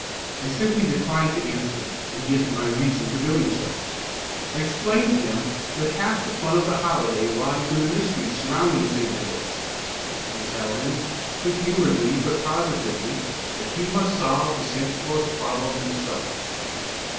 I simply decline to answer and give him my reason for so doing. I explain to him that half the fun of the holiday lies in the mystery surrounding St. Nicholas. I tell him, good humouredly but positively, that he must solve the Santa Claus problem himself.